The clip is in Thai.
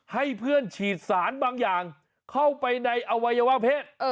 ให้เพื่อนฉีดสารบางอย่างเข้าไปในอวัยวะเพศ